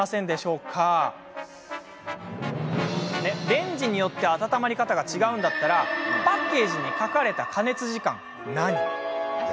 レンジによって温まり方が違うんだったらパッケージに書かれた加熱時間は何？